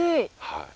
はい。